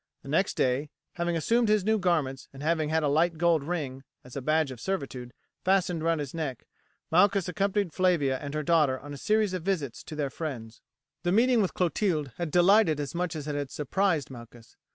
The next day, having assumed his new garments, and having had a light gold ring, as a badge of servitude, fastened round his neck, Malchus accompanied Flavia and her daughter on a series of visits to their friends. The meeting with Clotilde had delighted as much as it had surprised Malchus.